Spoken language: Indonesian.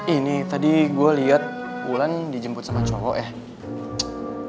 ini tadi gue lihat wulan dijemput sama cowok ya